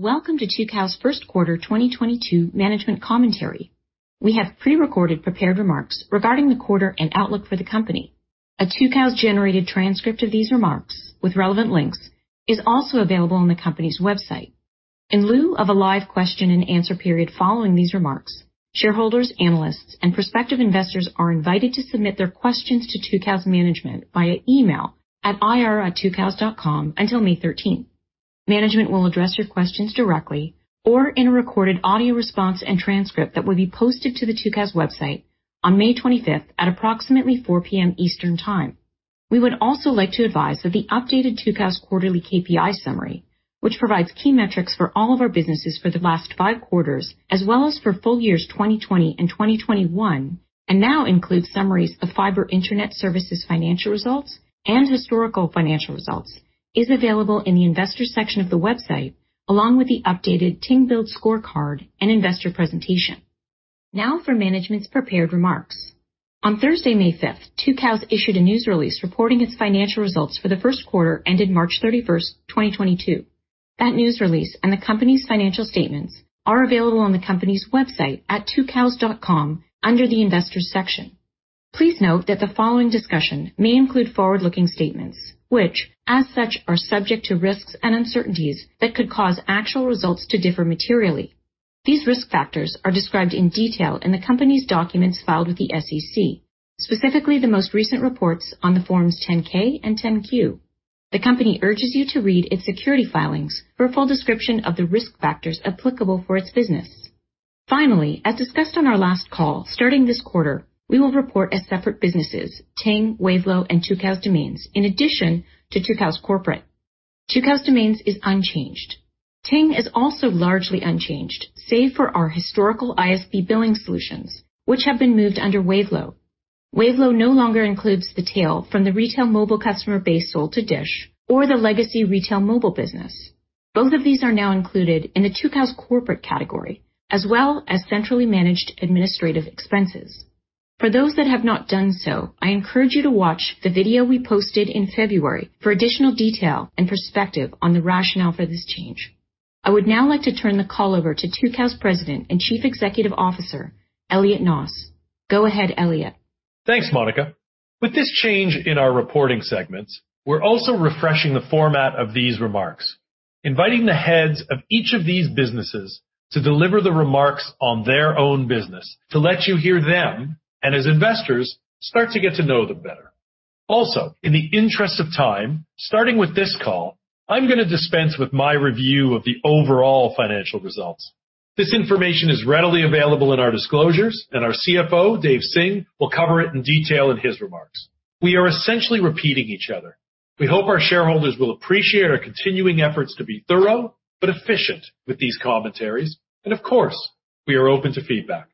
Welcome to Tucows' first quarter 2022 management commentary. We have pre-recorded prepared remarks regarding the quarter and outlook for the company. A Tucows-generated transcript of these remarks with relevant links is also available on the company's website. In lieu of a live question and answer period following these remarks, shareholders, analysts, and prospective investors are invited to submit their questions to Tucows Management via email at ir@tucows.com until May 13th. Management will address your questions directly or in a recorded audio response and transcript that will be posted to the Tucows website on May 25th at approximately 4 P.M. Eastern Time. We would also like to advise that the updated Tucows quarterly KPI summary, which provides key metrics for all of our businesses for the last five quarters, as well as for full years 2020 and 2021, and now includes summaries of fiber internet services financial results and historical financial results, is available in the Investors section of the website, along with the updated Ting Build Scorecard and investor presentation. Now for management's prepared remarks. On Thursday, May 5th, Tucows issued a news release reporting its financial results for the first quarter, ended March 31st, 2022. That news release and the company's financial statements are available on the company's website at tucows.com under the Investors section. Please note that the following discussion may include forward-looking statements which, as such, are subject to risks and uncertainties that could cause actual results to differ materially. These risk factors are described in detail in the company's documents filed with the SEC, specifically the most recent reports on the Forms 10-K and 10-Q. The company urges you to read its securities filings for a full description of the risk factors applicable for its business. Finally, as discussed on our last call, starting this quarter, we will report as separate businesses, Ting, Wavelo, and Tucows Domains, in addition to Tucows Corporate. Tucows Domains is unchanged. Ting is also largely unchanged, save for our historical ISP billing solutions, which have been moved under Wavelo. Wavelo no longer includes the tail from the retail mobile customer base sold to DISH or the legacy retail mobile business. Both of these are now included in the Tucows Corporate category, as well as centrally managed administrative expenses. For those that have not done so, I encourage you to watch the video we posted in February for additional detail and perspective on the rationale for this change. I would now like to turn the call over to Tucows President and Chief Executive Officer, Elliot Noss. Go ahead, Elliot. Thanks, Monica. With this change in our reporting segments, we're also refreshing the format of these remarks, inviting the heads of each of these businesses to deliver the remarks on their own business, to let you hear them, and as investors start to get to know them better. Also, in the interest of time, starting with this call, I'm gonna dispense with my review of the overall financial results. This information is readily available in our disclosures, and our CFO, Dave Singh, will cover it in detail in his remarks. We are essentially repeating each other. We hope our shareholders will appreciate our continuing efforts to be thorough but efficient with these commentaries, and of course, we are open to feedback.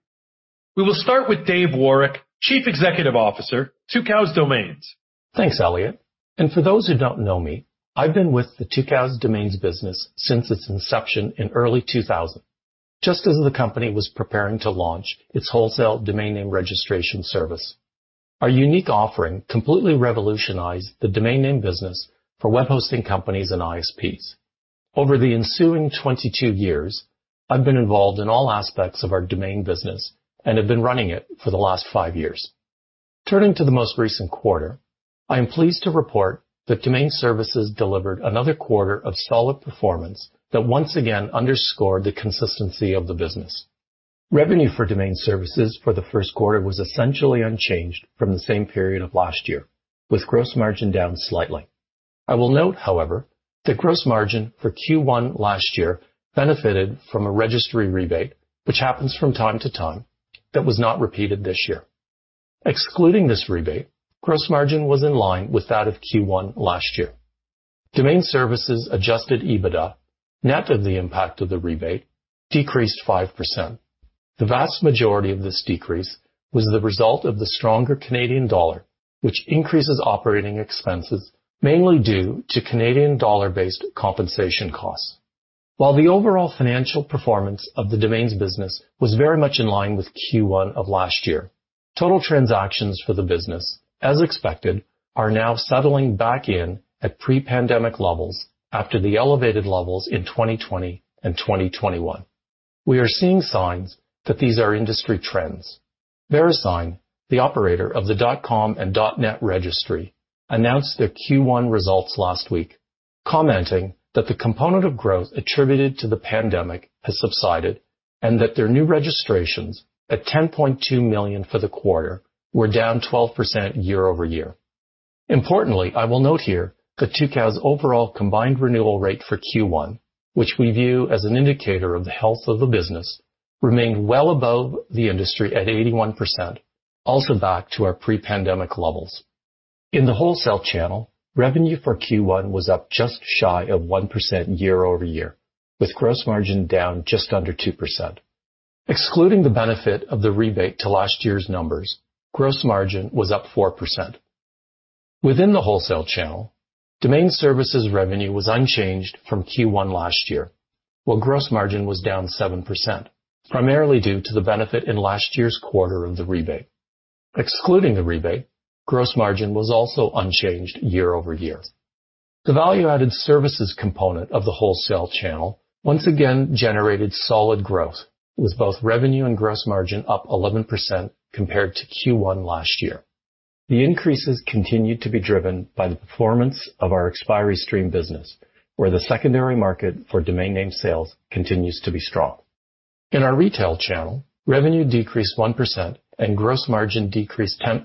We will start with David Woroch, Chief Executive Officer, Tucows Domains. Thanks, Elliot. For those who don't know me, I've been with the Tucows Domains business since its inception in early 2000, just as the company was preparing to launch its wholesale domain name registration service. Our unique offering completely revolutionized the domain name business for web hosting companies and ISPs. Over the ensuing 22 years, I've been involved in all aspects of our domain business and have been running it for the last five years. Turning to the most recent quarter, I am pleased to report that Domain Services delivered another quarter of solid performance that once again underscored the consistency of the business. Revenue for Domain Services for the first quarter was essentially unchanged from the same period of last year, with gross margin down slightly. I will note, however, that gross margin for Q1 last year benefited from a registry rebate, which happens from time to time that was not repeated this year. Excluding this rebate, gross margin was in line with that of Q1 last year. Domain Services adjusted EBITDA, net of the impact of the rebate, decreased 5%. The vast majority of this decrease was the result of the stronger Canadian dollar, which increases operating expenses mainly due to Canadian dollar-based compensation costs. While the overall financial performance of the Domains business was very much in line with Q1 of last year, total transactions for the business, as expected, are now settling back in at pre-pandemic levels after the elevated levels in 2020 and 2021. We are seeing signs that these are industry trends. Verisign, the operator of the .com and .net registry, announced their Q1 results last week, commenting that the component of growth attributed to the pandemic has subsided and that their new registrations at 10.2 million for the quarter were down 12% year-over-year. Importantly, I will note here that Tucows' overall combined renewal rate for Q1, which we view as an indicator of the health of the business, remained well above the industry at 81%, also back to our pre-pandemic levels. In the wholesale channel, revenue for Q1 was up just shy of 1% year-over-year, with gross margin down just under 2%. Excluding the benefit of the rebate to last year's numbers, gross margin was up 4%. Within the wholesale channel, Domain Services revenue was unchanged from Q1 last year, while gross margin was down 7%, primarily due to the benefit in last year's quarter of the rebate. Excluding the rebate, gross margin was also unchanged year-over-year. The value-added services component of the wholesale channel once again generated solid growth, with both revenue and gross margin up 11% compared to Q1 last year. The increases continued to be driven by the performance of our expiry stream business, where the secondary market for domain name sales continues to be strong. In our retail channel, revenue decreased 1% and gross margin decreased 10%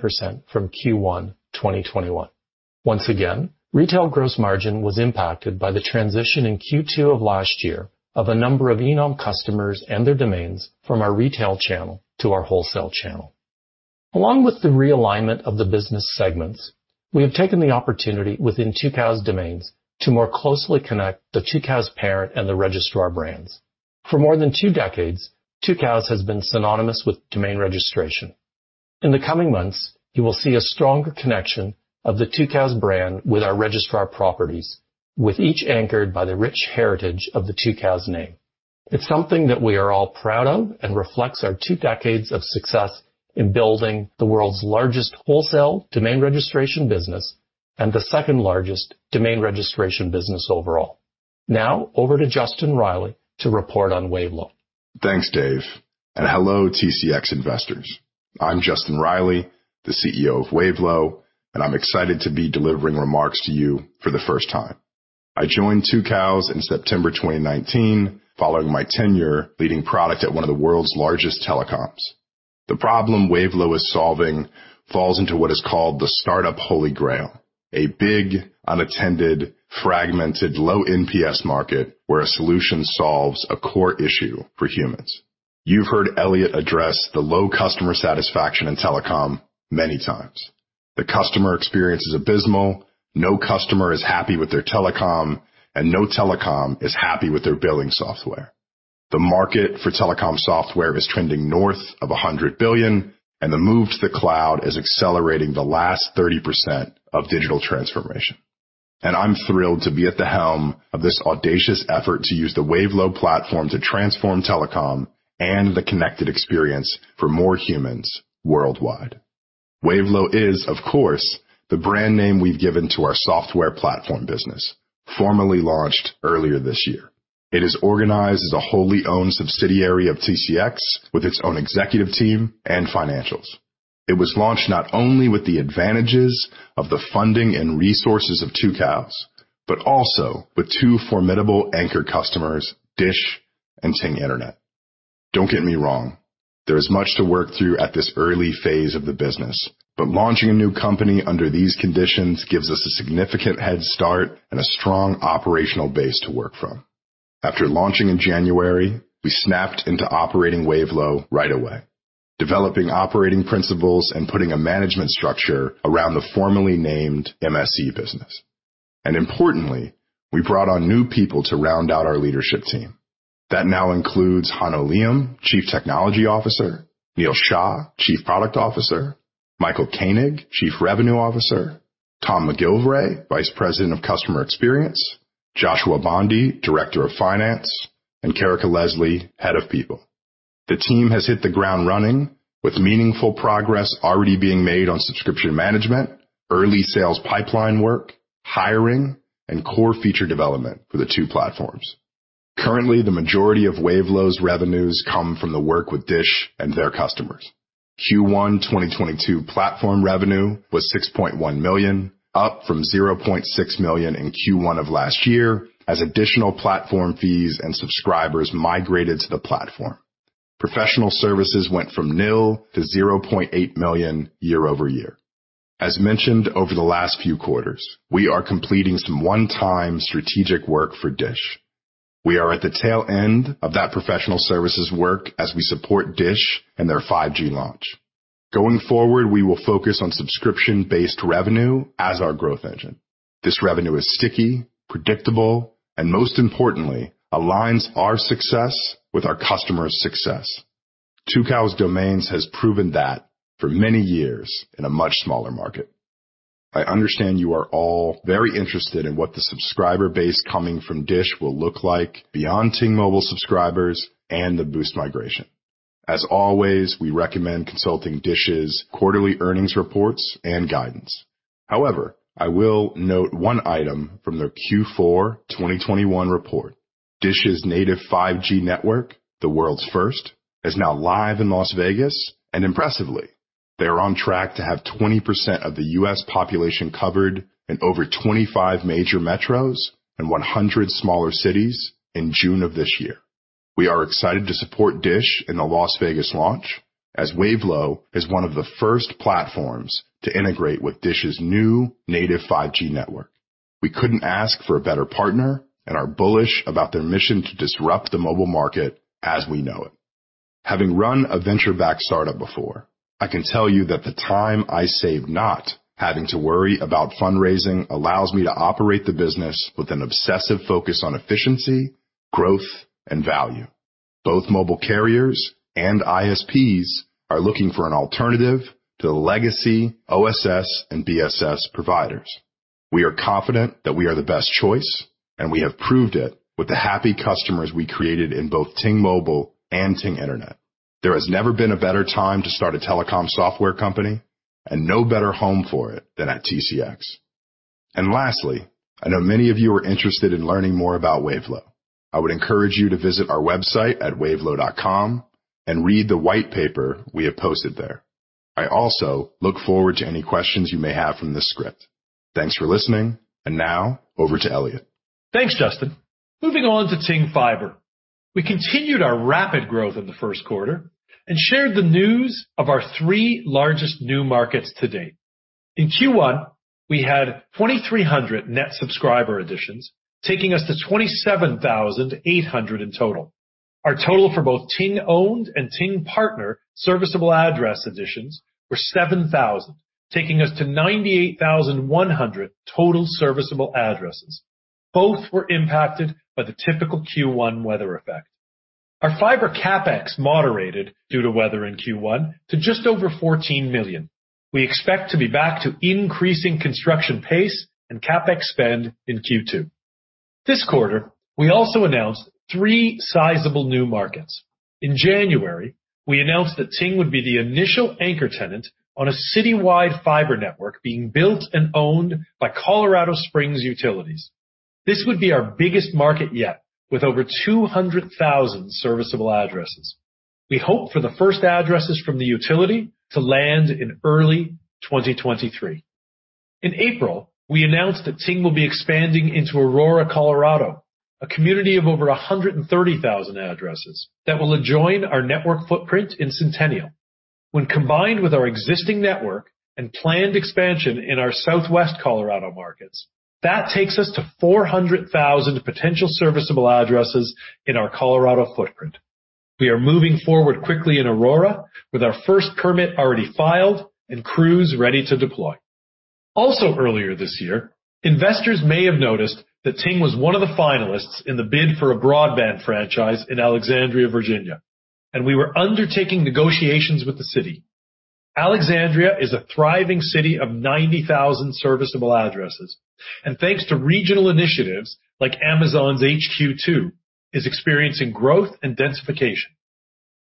from Q1 2021. Once again, retail gross margin was impacted by the transition in Q2 of last year of a number of Enom customers and their domains from our retail channel to our wholesale channel. Along with the realignment of the business segments, we have taken the opportunity within Tucows Domains to more closely connect the Tucows parent and the registrar brands. For more than two decades, Tucows has been synonymous with domain registration. In the coming months, you will see a stronger connection of the Tucows brand with our registrar properties, with each anchored by the rich heritage of the Tucows name. It's something that we are all proud of and reflects our two decades of success in building the world's largest wholesale domain registration business and the second-largest domain registration business overall. Now over to Justin Reilly to report on Wavelo. Thanks, Dave, and hello, TCX investors. I'm Justin Reilly, the CEO of Wavelo, and I'm excited to be delivering remarks to you for the first time. I joined Tucows in September 2019 following my tenure leading product at one of the world's largest telecoms. The problem Wavelo is solving falls into what is called the startup Holy Grail, a big unattended, fragmented, low NPS market where a solution solves a core issue for humans. You've heard Elliot address the low customer satisfaction in telecom many times. The customer experience is abysmal. No customer is happy with their telecom and no telecom is happy with their billing software. The market for telecom software is trending north of $100 billion, and the move to the cloud is accelerating the last 30% of digital transformation. I'm thrilled to be at the helm of this audacious effort to use the Wavelo platform to transform telecom and the connected experience for more humans worldwide. Wavelo is, of course, the brand name we've given to our software platform business, formally launched earlier this year. It is organized as a wholly owned subsidiary of TCX with its own executive team and financials. It was launched not only with the advantages of the funding and resources of Tucows, but also with two formidable anchor customers, DISH and Ting Internet. Don't get me wrong, there is much to work through at this early phase of the business, but launching a new company under these conditions gives us a significant head start and a strong operational base to work from. After launching in January, we snapped into operating Wavelo right away, developing operating principles and putting a management structure around the formerly named MSE business. Importantly, we brought on new people to round out our leadership team. That now includes Hanno Liem, Chief Technology Officer, Neil Shah, Chief Product Officer, Michael Koenig, Chief Revenue Officer, Tom McGillivray, Vice President of Customer Experience, Joshua Bondi, Director of Finance, and Karaka Leslie, Head of People. The team has hit the ground running with meaningful progress already being made on subscription management, early sales pipeline work, hiring, and core feature development for the two platforms. Currently, the majority of Wavelo's revenues come from the work with DISH and their customers. Q1 2022 platform revenue was $6.1 million, up from $0.6 million in Q1 of last year as additional platform fees and subscribers migrated to the platform. Professional services went from nil to $0.8 million year-over-year. As mentioned over the last few quarters, we are completing some one-time strategic work for DISH. We are at the tail end of that professional services work as we support DISH and their 5G launch. Going forward, we will focus on subscription-based revenue as our growth engine. This revenue is sticky, predictable, and most importantly, aligns our success with our customers' success. Tucows Domains has proven that for many years in a much smaller market. I understand you are all very interested in what the subscriber base coming from DISH will look like beyond Ting Mobile subscribers and the Boost migration. As always, we recommend consulting DISH's quarterly earnings reports and guidance. However, I will note one item from their Q4 2021 report. DISH's native 5G network, the world's first, is now live in Las Vegas, and impressively, they are on track to have 20% of the U.S. population covered in over 25 major metros and 100 smaller cities in June of this year. We are excited to support DISH in the Las Vegas launch as Wavelo is one of the first platforms to integrate with DISH's new native 5G network. We couldn't ask for a better partner and are bullish about their mission to disrupt the mobile market as we know it. Having run a venture-backed startup before, I can tell you that the time I saved not having to worry about fundraising allows me to operate the business with an obsessive focus on efficiency, growth, and value. Both mobile carriers and ISPs are looking for an alternative to legacy OSS and BSS providers. We are confident that we are the best choice, and we have proved it with the happy customers we created in both Ting Mobile and Ting Internet. There has never been a better time to start a telecom software company and no better home for it than at TCX. Lastly, I know many of you are interested in learning more about Wavelo. I would encourage you to visit our website at wavelo.com and read the white paper we have posted there. I also look forward to any questions you may have from this script. Thanks for listening. Now over to Elliot. Thanks, Justin. Moving on to Ting Fiber. We continued our rapid growth in the first quarter and shared the news of our three largest new markets to date. In Q1, we had 2,300 net subscriber additions, taking us to 27,800 in total. Our total for both Ting Owned and Ting Partner serviceable address additions were 7,000, taking us to 98,100 total serviceable addresses. Both were impacted by the typical Q1 weather effect. Our fiber CapEx moderated due to weather in Q1 to just over $14 million. We expect to be back to increasing construction pace and CapEx spend in Q2. This quarter, we also announced three sizable new markets. In January, we announced that Ting would be the initial anchor tenant on a city-wide fiber network being built and owned by Colorado Springs Utilities. This would be our biggest market yet with over 200,000 serviceable addresses. We hope for the first addresses from the utility to land in early 2023. In April, we announced that Ting will be expanding into Aurora, Colorado, a community of over 130,000 addresses that will adjoin our network footprint in Centennial. When combined with our existing network and planned expansion in our Southwest Colorado markets, that takes us to 400,000 potential serviceable addresses in our Colorado footprint. We are moving forward quickly in Aurora with our first permit already filed and crews ready to deploy. Also earlier this year, investors may have noticed that Ting was one of the finalists in the bid for a broadband franchise in Alexandria, Virginia, and we were undertaking negotiations with the city. Alexandria is a thriving city of 90,000 serviceable addresses, and thanks to regional initiatives like Amazon's HQ2, is experiencing growth and densification.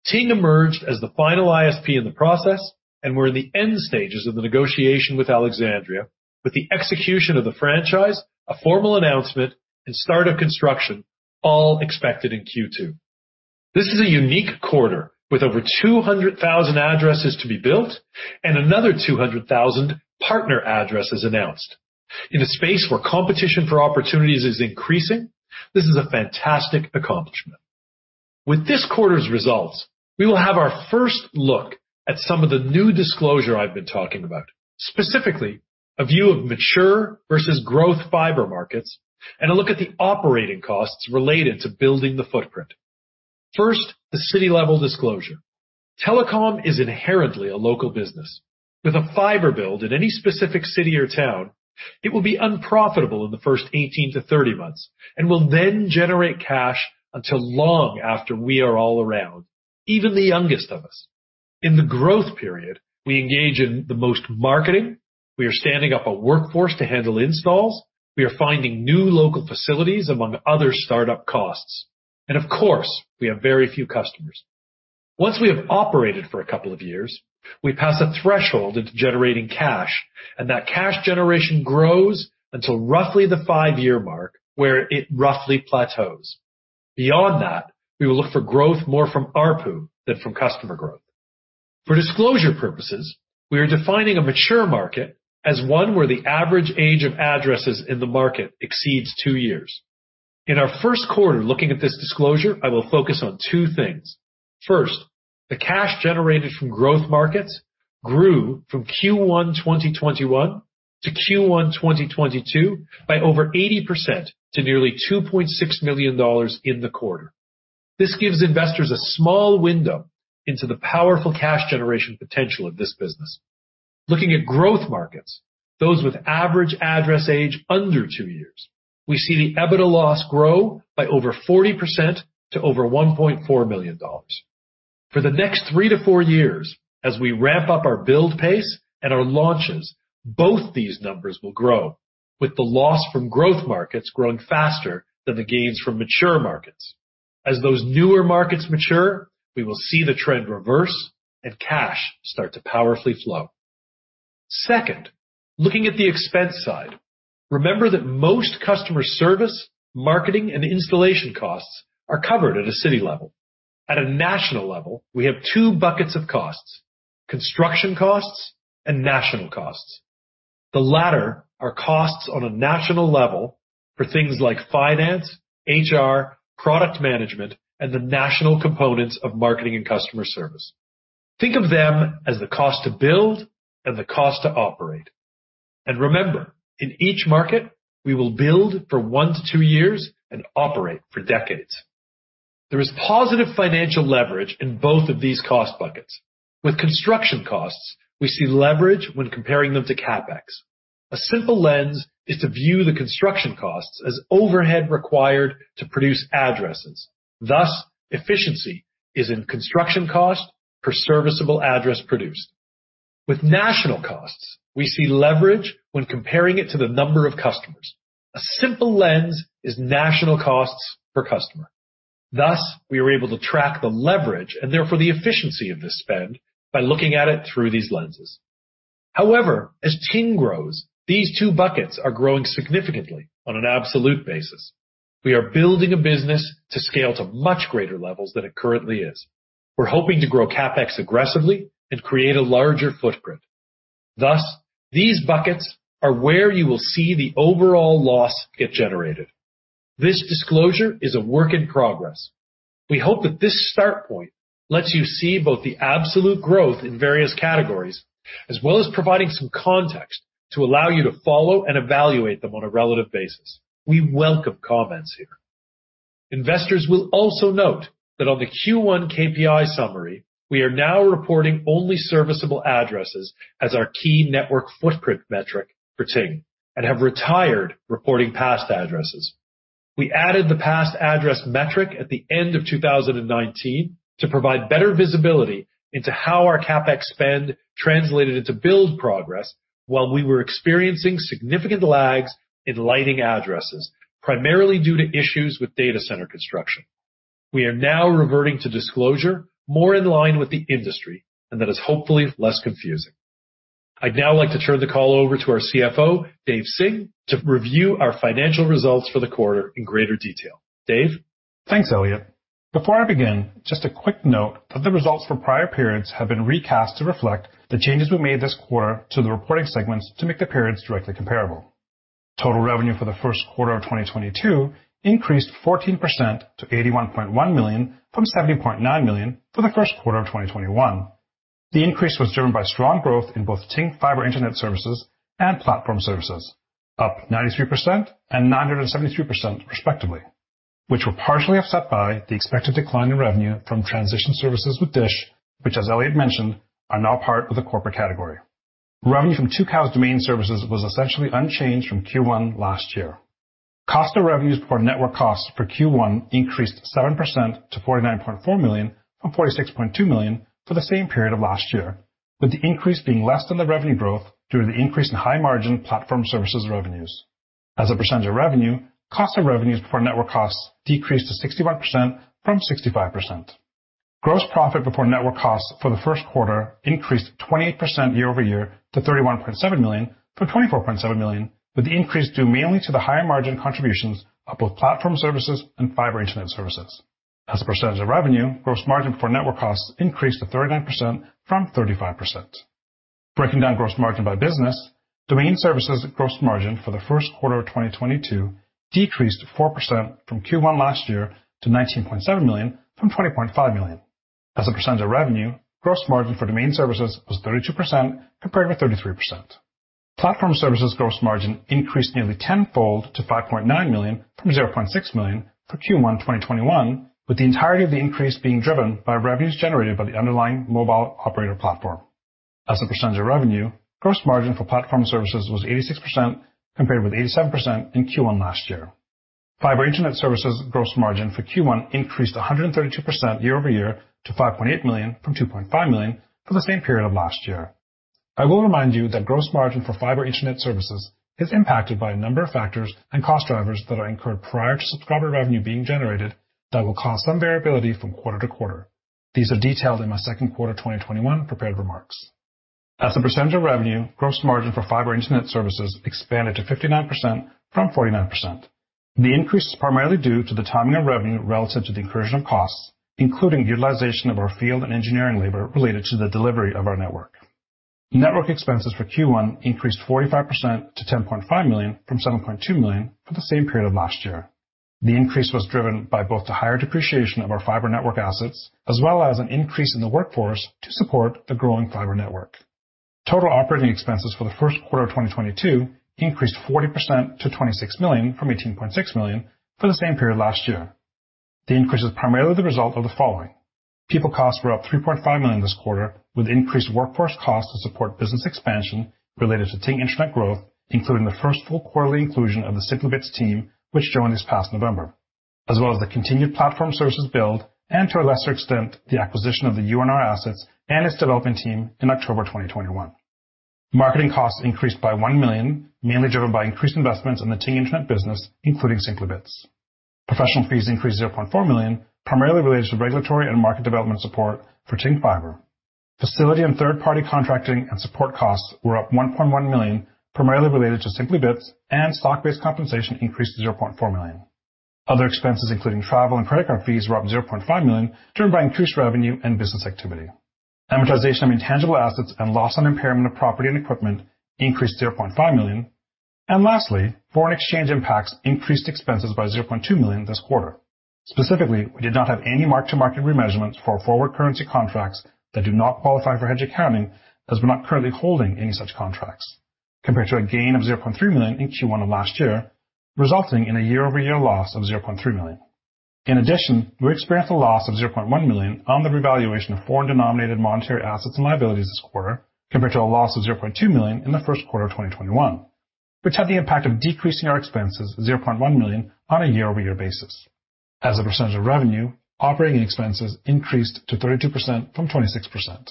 Ting emerged as the final ISP in the process and we're in the end stages of the negotiation with Alexandria with the execution of the franchise, a formal announcement and start of construction all expected in Q2. This is a unique quarter with over 200,000 addresses to be built and another 200,000 partner addresses announced. In a space where competition for opportunities is increasing, this is a fantastic accomplishment. With this quarter's results, we will have our first look at some of the new disclosure I've been talking about, specifically, a view of mature versus growth fiber markets and a look at the operating costs related to building the footprint. First, the city level disclosure. Telecom is inherently a local business. With a fiber build in any specific city or town, it will be unprofitable in the first 18-30 months and will then generate cash until long after we are all around, even the youngest of us. In the growth period, we engage in the most marketing, we are standing up a workforce to handle installs, we are finding new local facilities among other startup costs. Of course, we have very few customers. Once we have operated for a couple of years, we pass a threshold into generating cash, and that cash generation grows until roughly the five-year mark where it roughly plateaus. Beyond that, we will look for growth more from ARPU than from customer growth. For disclosure purposes, we are defining a mature market as one where the average age of addresses in the market exceeds two years. In our first quarter looking at this disclosure, I will focus on two things. First, the cash generated from growth markets grew from Q1 2021 to Q1 2022 by over 80% to nearly $2.6 million in the quarter. This gives investors a small window into the powerful cash generation potential of this business. Looking at growth markets, those with average address age under two years, we see the EBITDA loss grow by over 40% to over $1.4 million. For the next three to four years, as we ramp up our build pace and our launches, both these numbers will grow, with the loss from growth markets growing faster than the gains from mature markets. As those newer markets mature, we will see the trend reverse and cash start to powerfully flow. Second, looking at the expense side, remember that most customer service, marketing, and installation costs are covered at a city level. At a national level, we have two buckets of costs, construction costs and national costs. The latter are costs on a national level for things like finance, HR, product management, and the national components of marketing and customer service. Think of them as the cost to build and the cost to operate. Remember, in each market, we will build for one to two years and operate for decades. There is positive financial leverage in both of these cost buckets. With construction costs, we see leverage when comparing them to CapEx. A simple lens is to view the construction costs as overhead required to produce addresses. Thus, efficiency is in construction cost per serviceable address produced. With national costs, we see leverage when comparing it to the number of customers. A simple lens on national costs per customer. Thus, we are able to track the leverage and therefore the efficiency of this spend by looking at it through these lenses. However, as Ting grows, these two buckets are growing significantly on an absolute basis. We are building a business to scale to much greater levels than it currently is. We're hoping to grow CapEx aggressively and create a larger footprint. Thus, these buckets are where you will see the overall loss get generated. This disclosure is a work in progress. We hope that this start point lets you see both the absolute growth in various categories, as well as providing some context to allow you to follow and evaluate them on a relative basis. We welcome comments here. Investors will also note that on the Q1 KPI summary, we are now reporting only serviceable addresses as our key network footprint metric for Ting and have retired reporting passed addresses. We added the passed address metric at the end of 2019 to provide better visibility into how our CapEx spend translated into build progress while we were experiencing significant lags in lighting addresses, primarily due to issues with data center construction. We are now reverting to disclosure more in line with the industry, and that is hopefully less confusing. I'd now like to turn the call over to our CFO, Dave Singh, to review our financial results for the quarter in greater detail. Dave? Thanks, Elliot. Before I begin, just a quick note that the results for prior periods have been recast to reflect the changes we made this quarter to the reporting segments to make the periods directly comparable. Total revenue for the first quarter of 2022 increased 14% to $81.1 million from $79.9 million for the first quarter of 2021. The increase was driven by strong growth in both Ting fiber internet services and platform services, up 93% and 973% respectively, which were partially offset by the expected decline in revenue from transition services with DISH, which as Elliot mentioned, are now part of the corporate category. Revenue from Tucows's domain services was essentially unchanged from Q1 last year. Cost of revenues for network costs for Q1 increased 7% to $49.4 million from $46.2 million for the same period of last year, with the increase being less than the revenue growth due to the increase in high-margin platform services revenues. As a percentage of revenue, cost of revenues before network costs decreased to 61% from 65%. Gross profit before network costs for the first quarter increased 28% year-over-year to $31.7 million from $24.7 million, with the increase due mainly to the higher margin contributions of both platform services and fiber internet services. As a percentage of revenue, gross margin for network costs increased to 39% from 35%. Breaking down gross margin by business, Domain Services gross margin for the first quarter of 2022 decreased 4% from Q1 last year to $19.7 million from $20.5 million. As a percentage of revenue, gross margin for Domain Services was 32% compared with 33%. Platform Services gross margin increased nearly tenfold to $5.9 million from $0.6 million for Q1 2021, with the entirety of the increase being driven by revenues generated by the underlying mobile operator platform. As a percentage of revenue, gross margin for Platform Services was 86% compared with 87% in Q1 last year. Fiber Internet Services gross margin for Q1 increased 132% year-over-year to $5.8 million from $2.5 million for the same period of last year. I will remind you that gross margin for fiber internet services is impacted by a number of factors and cost drivers that are incurred prior to subscriber revenue being generated that will cause some variability from quarter to quarter. These are detailed in my second quarter 2021 prepared remarks. As a percentage of revenue, gross margin for fiber internet services expanded to 59% from 49%. The increase is primarily due to the timing of revenue relative to the incurrence of costs, including utilization of our field and engineering labor related to the delivery of our network. Network expenses for Q1 increased 45% to $10.5 million from $7.2 million for the same period of last year. The increase was driven by both the higher depreciation of our fiber network assets as well as an increase in the workforce to support the growing fiber network. Total operating expenses for the first quarter of 2022 increased 40% to $26 million from $18.6 million for the same period last year. The increase is primarily the result of the following. People costs were up $3.5 million this quarter, with increased workforce costs to support business expansion related to Ting Internet growth, including the first full quarterly inclusion of the Simply Bits team, which joined this past November, as well as the continued platform services build, and to a lesser extent, the acquisition of the UNR assets and its development team in October 2021. Marketing costs increased by $1 million, mainly driven by increased investments in the Ting Internet business, including Simply Bits. Professional fees increased $0.4 million, primarily related to regulatory and market development support for Ting Fiber. Facility and third-party contracting and support costs were up $1.1 million, primarily related to Simply Bits, and stock-based compensation increased to $0.4 million. Other expenses, including travel and credit card fees, were up $0.5 million, driven by increased revenue and business activity. Amortization of intangible assets and loss on impairment of property and equipment increased to $0.5 million. Lastly, foreign exchange impacts increased expenses by $0.2 million this quarter. Specifically, we did not have any mark-to-market remeasurements for forward currency contracts that do not qualify for hedge accounting, as we're not currently holding any such contracts, compared to a gain of $0.3 million in Q1 of last year, resulting in a year-over-year loss of $0.3 million. In addition, we experienced a loss of $0.1 million on the revaluation of foreign-denominated monetary assets and liabilities this quarter compared to a loss of $0.2 million in the first quarter of 2021, which had the impact of decreasing our expenses $0.1 million on a year-over-year basis. As a percentage of revenue, operating expenses increased to 32% from 26%.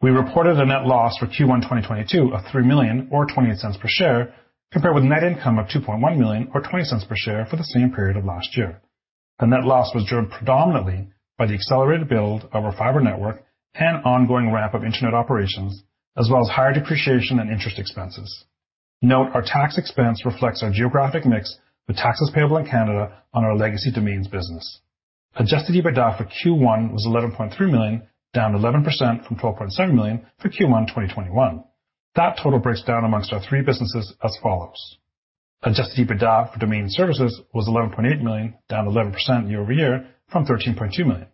We reported a net loss for Q1 2022 of $3 million or $0.20 per share compared with net income of $2.1 million or $0.20 per share for the same period of last year. The net loss was driven predominantly by the accelerated build of our fiber network and ongoing ramp of Internet operations, as well as higher depreciation and interest expenses. Note, our tax expense reflects our geographic mix with taxes payable in Canada on our legacy Domains business. Adjusted EBITDA for Q1 was $11.3 million, down 11% from $12.7 million for Q1 2021. That total breaks down amongst our three businesses as follows. Adjusted EBITDA for Domain Services was $11.8 million, down 11% year-over-year from $13.2 million.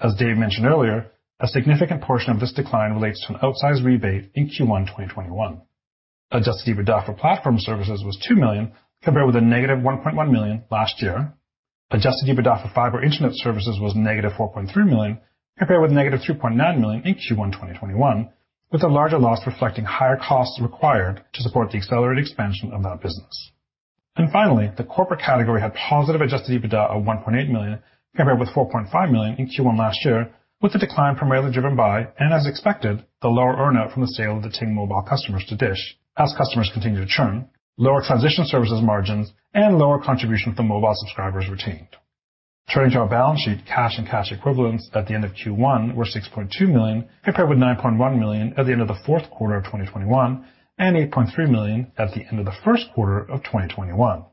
As Dave mentioned earlier, a significant portion of this decline relates to an outsized rebate in Q1 2021. Adjusted EBITDA for Platform Services was $2 million compared with negative $1.1 million last year. Adjusted EBITDA for Fiber Internet services was -$4.3 million compared with -$3.9 million in Q1 2021, with a larger loss reflecting higher costs required to support the accelerated expansion of that business. Finally, the corporate category had positive adjusted EBITDA of $1.8 million compared with $4.5 million in Q1 last year, with the decline primarily driven by, and as expected, the lower earnout from the sale of the Ting Mobile customers to DISH as customers continue to churn, lower transition services margins, and lower contribution from mobile subscribers retained. Turning to our balance sheet, cash and cash equivalents at the end of Q1 were $6.2 million, compared with $9.1 million at the end of the fourth quarter of 2021, and $8.3 million at the end of the first quarter of 2021.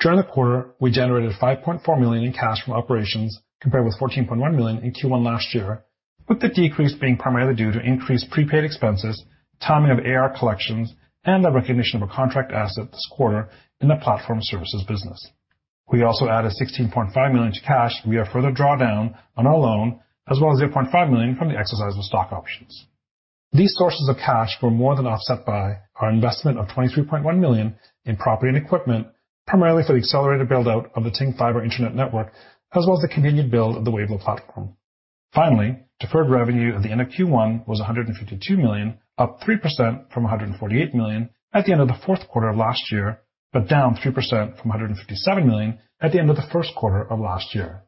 During the quarter, we generated $5.4 million in cash from operations compared with $14.1 million in Q1 last year, with the decrease being primarily due to increased prepaid expenses, timing of AR collections, and the recognition of a contract asset this quarter in the platform services business. We also added $16.5 million to cash via further drawdown on our loan, as well as $0.5 million from the exercise of stock options. These sources of cash were more than offset by our investment of $23.1 million in property and equipment, primarily for the accelerated build-out of the Ting Fiber Internet network, as well as the continued build of the Wavelo platform. Finally, deferred revenue at the end of Q1 was $152 million, up 3% from $148 million at the end of the fourth quarter of last year, but down 3% from $157 million at the end of the first quarter of last year.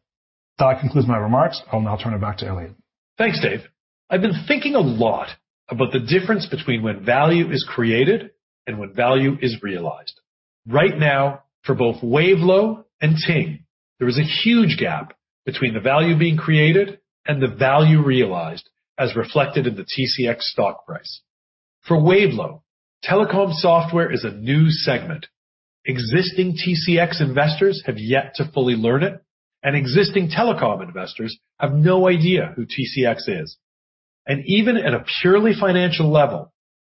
That concludes my remarks. I'll now turn it back to Elliot. Thanks, Dave. I've been thinking a lot about the difference between when value is created and when value is realized. Right now, for both Wavelo and Ting, there is a huge gap between the value being created and the value realized as reflected in the TCX stock price. For Wavelo, telecom software is a new segment. Existing TCX investors have yet to fully learn it, and existing telecom investors have no idea who TCX is. Even at a purely financial level,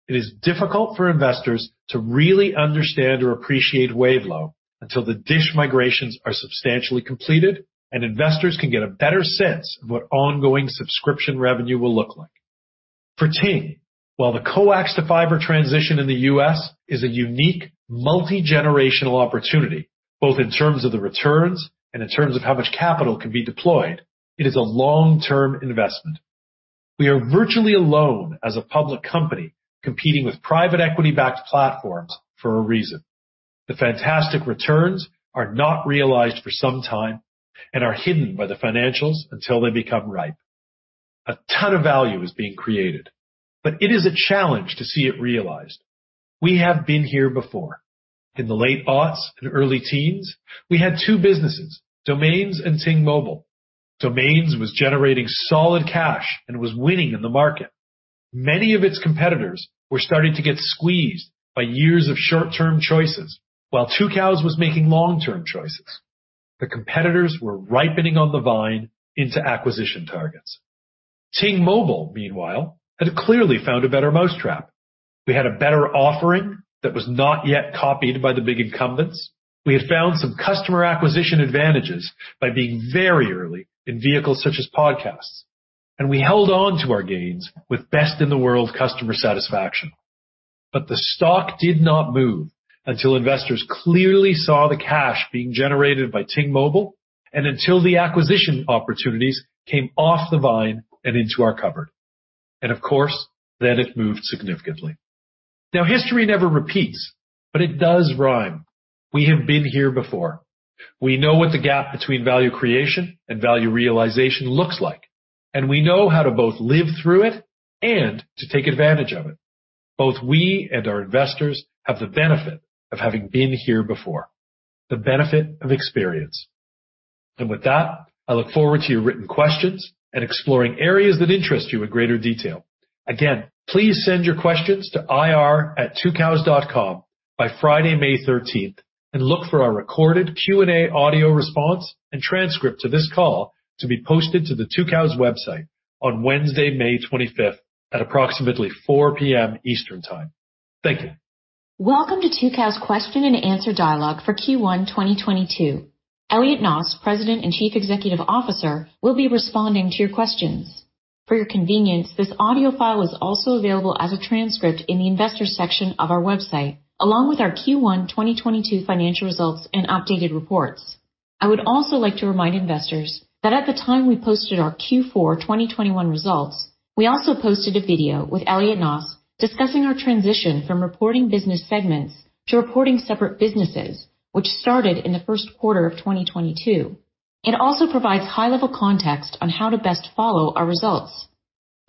it is difficult for investors to really understand or appreciate Wavelo until the DISH migrations are substantially completed and investors can get a better sense of what ongoing subscription revenue will look like. For Ting, while the coax to fiber transition in the U.S. is a unique multi-generational opportunity, both in terms of the returns and in terms of how much capital can be deployed, it is a long-term investment. We are virtually alone as a public company competing with private equity-backed platforms for a reason. The fantastic returns are not realized for some time and are hidden by the financials until they become ripe. A ton of value is being created, but it is a challenge to see it realized. We have been here before. In the late aughts and early teens, we had two businesses, Domains and Ting Mobile. Domains was generating solid cash and was winning in the market. Many of its competitors were starting to get squeezed by years of short-term choices, while Tucows was making long-term choices. The competitors were ripening on the vine into acquisition targets. Ting Mobile, meanwhile, had clearly found a better mousetrap. We had a better offering that was not yet copied by the big incumbents. We had found some customer acquisition advantages by being very early in vehicles such as podcasts, and we held on to our gains with best-in-the-world customer satisfaction. The stock did not move until investors clearly saw the cash being generated by Ting Mobile and until the acquisition opportunities came off the vine and into our cupboard. Of course, then it moved significantly. Now, history never repeats, but it does rhyme. We have been here before. We know what the gap between value creation and value realization looks like, and we know how to both live through it and to take advantage of it. Both we and our investors have the benefit of having been here before, the benefit of experience. With that, I look forward to your written questions and exploring areas that interest you in greater detail. Again, please send your questions to ir@tucows.com by Friday, May 13th, and look for our recorded Q&A audio response and transcript to this call to be posted to the Tucows website on Wednesday, May 25th at approximately 4:00 P.M. Eastern Time. Thank you. Welcome to Tucows question and answer dialogue for Q1 2022. Elliot Noss, President and Chief Executive Officer, will be responding to your questions. For your convenience, this audio file is also available as a transcript in the Investors section of our website, along with our Q1 2022 financial results and updated reports. I would also like to remind investors that at the time we posted our Q4 2021 results, we also posted a video with Elliot Noss discussing our transition from reporting business segments to reporting separate businesses which started in the first quarter of 2022. It also provides high-level context on how to best follow our results.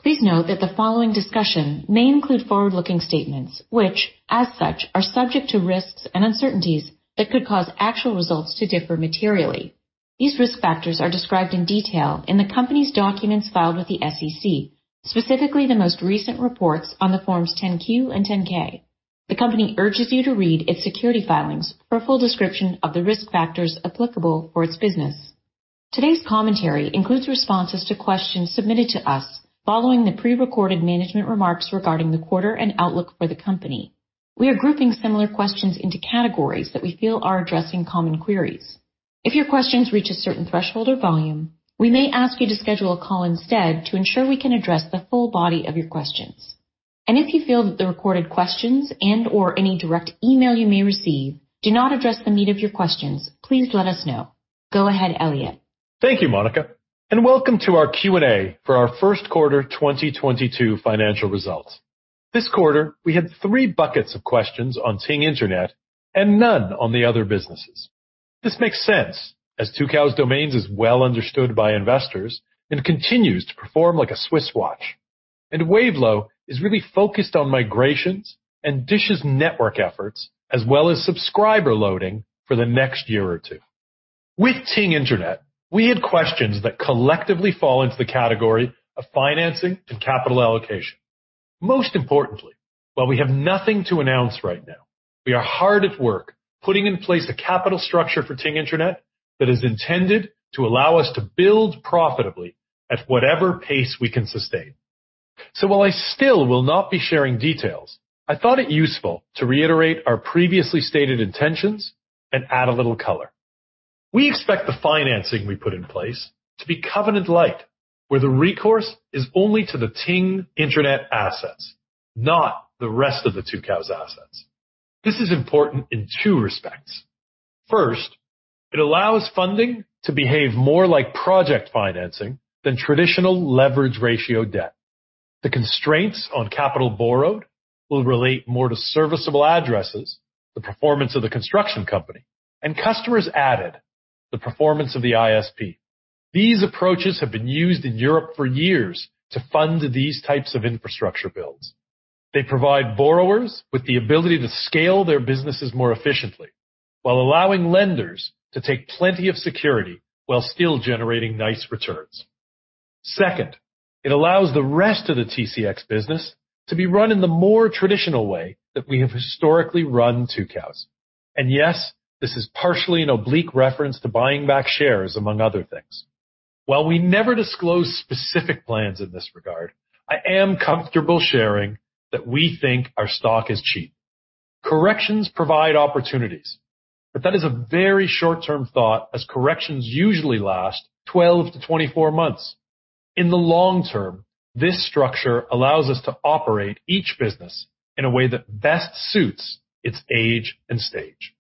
Please note that the following discussion may include forward-looking statements, which, as such, are subject to risks and uncertainties that could cause actual results to differ materially. These risk factors are described in detail in the company's documents filed with the SEC, specifically the most recent reports on the Forms 10-Q and 10-K. The company urges you to read its securities filings for a full description of the risk factors applicable for its business. Today's commentary includes responses to questions submitted to us following the prerecorded management remarks regarding the quarter and outlook for the company. We are grouping similar questions into categories that we feel are addressing common queries. If your questions reach a certain threshold or volume, we may ask you to schedule a call instead to ensure we can address the full body of your questions. If you feel that the recorded questions and/or any direct email you may receive do not address the meat of your questions, please let us know. Go ahead, Elliot. Thank you, Monica, and welcome to our Q&A for our first quarter 2022 financial results. This quarter, we had three buckets of questions on Ting Internet and none on the other businesses. This makes sense as Tucows Domains is well understood by investors and continues to perform like a Swiss watch. Wavelo is really focused on migrations and DISH's network efforts, as well as subscriber loading for the next year or two. With Ting Internet, we had questions that collectively fall into the category of financing and capital allocation. Most importantly, while we have nothing to announce right now, we are hard at work putting in place a capital structure for Ting Internet that is intended to allow us to build profitably at whatever pace we can sustain. While I still will not be sharing details, I thought it useful to reiterate our previously stated intentions and add a little color. We expect the financing we put in place to be covenant light, where the recourse is only to the Ting Internet assets, not the rest of the Tucows assets. This is important in two respects. First, it allows funding to behave more like project financing than traditional leverage ratio debt. The constraints on capital borrowed will relate more to serviceable addresses, the performance of the construction company, and customers added, the performance of the ISP. These approaches have been used in Europe for years to fund these types of infrastructure builds. They provide borrowers with the ability to scale their businesses more efficiently while allowing lenders to take plenty of security while still generating nice returns. Second, it allows the rest of the TCX business to be run in the more traditional way that we have historically run Tucows. Yes, this is partially an oblique reference to buying back shares, among other things. While we never disclose specific plans in this regard, I am comfortable sharing that we think our stock is cheap. Corrections provide opportunities, but that is a very short-term thought as corrections usually last 12-24 months. In the long term, this structure allows us to operate each business in a way that best suits its age and stage.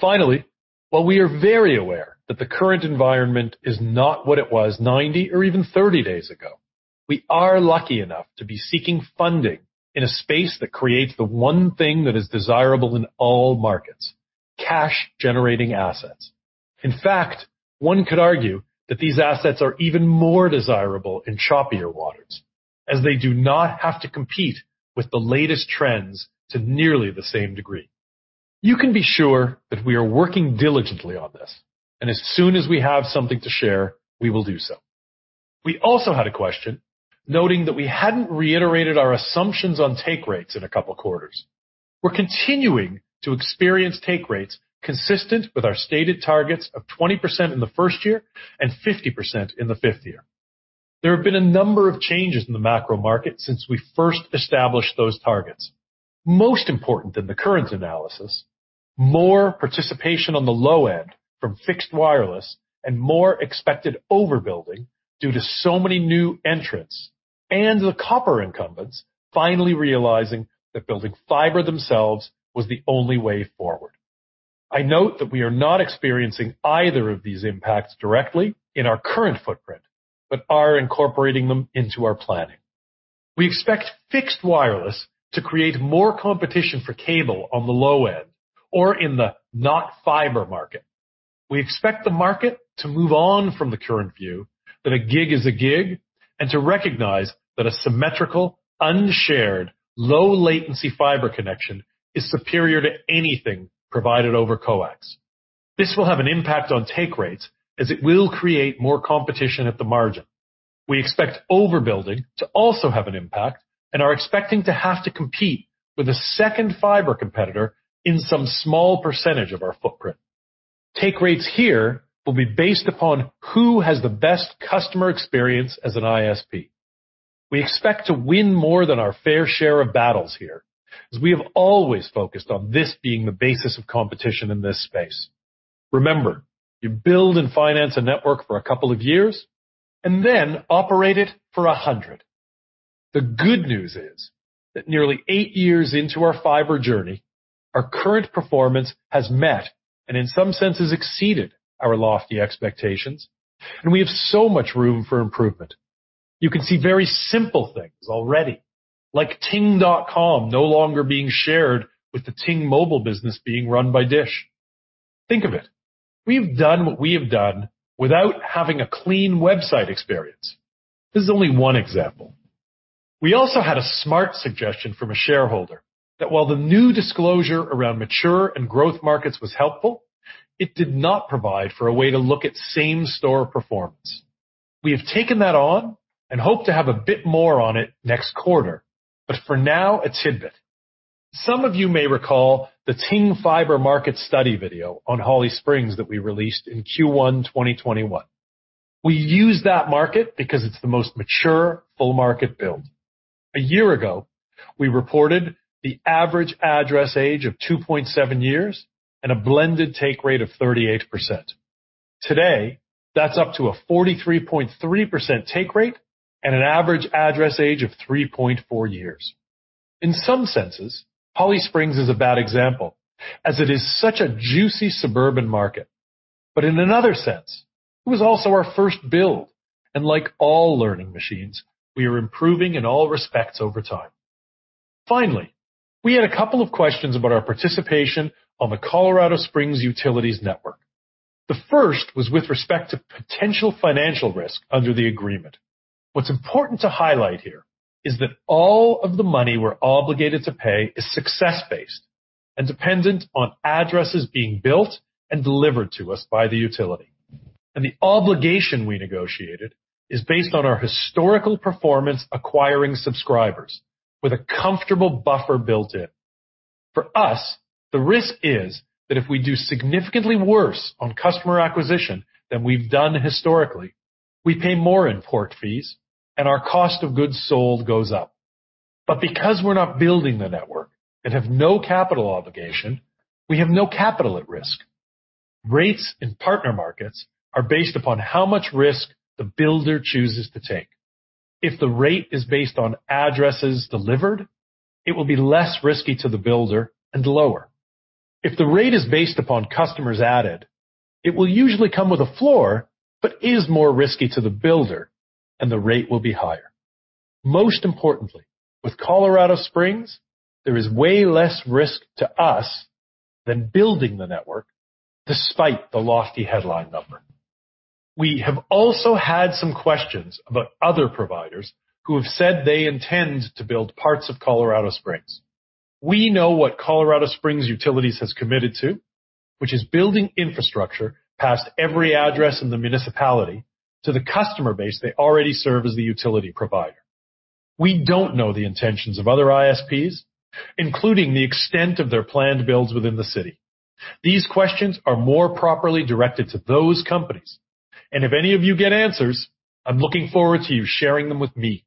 Finally, while we are very aware that the current environment is not what it was 90 or even 30 days ago, we are lucky enough to be seeking funding in a space that creates the one thing that is desirable in all markets, cash generating assets. In fact, one could argue that these assets are even more desirable in choppier waters, as they do not have to compete with the latest trends to nearly the same degree. You can be sure that we are working diligently on this, and as soon as we have something to share, we will do so. We also had a question noting that we hadn't reiterated our assumptions on take rates in a couple of quarters. We're continuing to experience take rates consistent with our stated targets of 20% in the first year and 50% in the fifth year. There have been a number of changes in the macro market since we first established those targets. Most important in the current analysis, more participation on the low end from fixed wireless and more expected overbuilding due to so many new entrants and the copper incumbents finally realizing that building fiber themselves was the only way forward. I note that we are not experiencing either of these impacts directly in our current footprint, but are incorporating them into our planning. We expect fixed wireless to create more competition for cable on the low end or in the non-fiber market. We expect the market to move on from the current view that a gig is a gig and to recognize that a symmetrical, unshared, low latency fiber connection is superior to anything provided over coax. This will have an impact on take rates as it will create more competition at the margin. We expect overbuilding to also have an impact and are expecting to have to compete with a second fiber competitor in some small percentage of our footprint. Take rates here will be based upon who has the best customer experience as an ISP. We expect to win more than our fair share of battles here, as we have always focused on this being the basis of competition in this space. Remember, you build and finance a network for a couple of years and then operate it for a hundred. The good news is that nearly eight years into our fiber journey, our current performance has met, and in some senses, exceeded our lofty expectations, and we have so much room for improvement. You can see very simple things already, like ting.com no longer being shared with the Ting Mobile business being run by DISH. Think of it. We have done what we have done without having a clean website experience. This is only one example. We also had a smart suggestion from a shareholder that while the new disclosure around mature and growth markets was helpful, it did not provide for a way to look at same-store performance. We have taken that on and hope to have a bit more on it next quarter, but for now, a tidbit. Some of you may recall the Ting Fiber market study video on Holly Springs that we released in Q1 2021. We used that market because it's the most mature full market build. A year ago, we reported the average address age of 2.7 years and a blended take rate of 38%. Today, that's up to a 43.3% take rate and an average address age of 3.4 years. In some senses, Holly Springs is a bad example as it is such a juicy suburban market. In another sense, it was also our first build, and like all learning machines, we are improving in all respects over time. Finally, we had a couple of questions about our participation on the Colorado Springs Utilities network. The first was with respect to potential financial risk under the agreement. What's important to highlight here is that all of the money we're obligated to pay is success-based and dependent on addresses being built and delivered to us by the utility. The obligation we negotiated is based on our historical performance acquiring subscribers with a comfortable buffer built in. For us, the risk is that if we do significantly worse on customer acquisition than we've done historically, we pay more in port fees and our cost of goods sold goes up. Because we're not building the network and have no capital obligation, we have no capital at risk. Rates in partner markets are based upon how much risk the builder chooses to take. If the rate is based on addresses delivered, it will be less risky to the builder and lower. If the rate is based upon customers added, it will usually come with a floor, but is more risky to the builder, and the rate will be higher. Most importantly, with Colorado Springs, there is way less risk to us than building the network despite the lofty headline number. We have also had some questions about other providers who have said they intend to build parts of Colorado Springs. We know what Colorado Springs Utilities has committed to, which is building infrastructure past every address in the municipality to the customer base they already serve as the utility provider. We don't know the intentions of other ISPs, including the extent of their planned builds within the city. These questions are more properly directed to those companies, and if any of you get answers, I'm looking forward to you sharing them with me.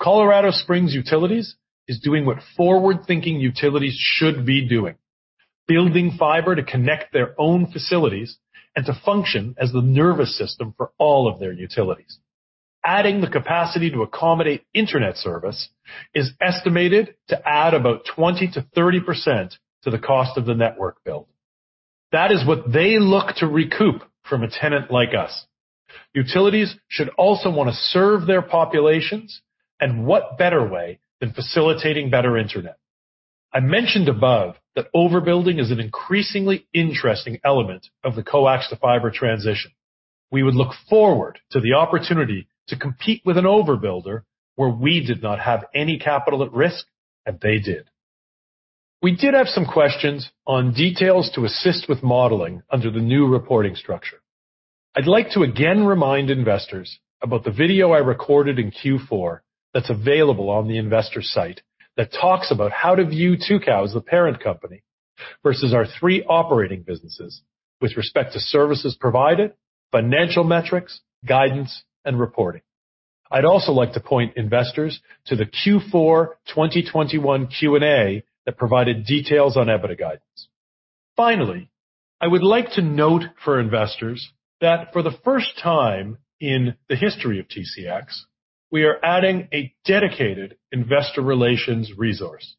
Colorado Springs Utilities is doing what forward-thinking utilities should be doing, building fiber to connect their own facilities and to function as the nervous system for all of their utilities. Adding the capacity to accommodate internet service is estimated to add about 20%-30% to the cost of the network build. That is what they look to recoup from a tenant like us. Utilities should also wanna serve their populations, and what better way than facilitating better internet? I mentioned above that overbuilding is an increasingly interesting element of the coax-to-fiber transition. We would look forward to the opportunity to compete with an overbuilder where we did not have any capital at risk, and they did. We did have some questions on details to assist with modeling under the new reporting structure. I'd like to again remind investors about the video I recorded in Q4 that's available on the investor site that talks about how to view Tucows, the parent company, versus our three operating businesses with respect to services provided, financial metrics, guidance, and reporting. I'd also like to point investors to the Q4 2021 Q&A that provided details on EBITDA guidance. Finally, I would like to note for investors that for the first time in the history of TCX, we are adding a dedicated investor relations resource.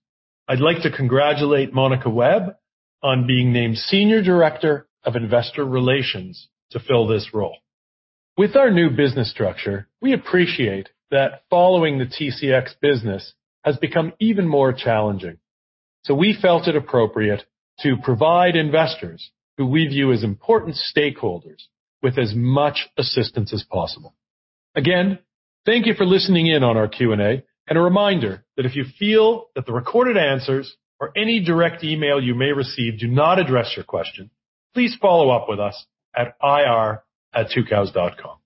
I'd like to congratulate Monica Webb on being named Senior Director of Investor Relations to fill this role. With our new business structure, we appreciate that following the TCX business has become even more challenging. We felt it appropriate to provide investors, who we view as important stakeholders, with as much assistance as possible. Again, thank you for listening in on our Q&A. A reminder that if you feel that the recorded answers or any direct email you may receive do not address your question, please follow up with us at ir@tucows.com.